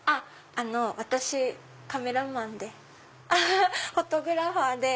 私カメラマンでフォトグラファーで。